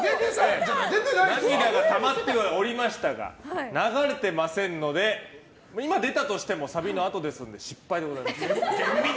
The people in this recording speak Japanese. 涙がたまってはおりましたが流れていませんので今、出たとしてもサビのあとですので失敗でございます！